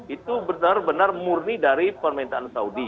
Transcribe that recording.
itu benar benar murni dari permintaan saudi